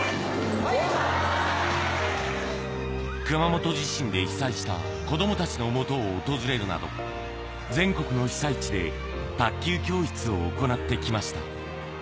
熊本地震で被災した子供たちのもとを訪れるなど、全国の被災地で卓球教室を行ってきました。